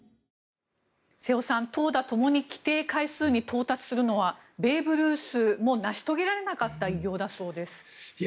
瀬尾さん、投打ともに規定回数に到達するのはベーブ・ルースも成し遂げられなかった偉業だそうです。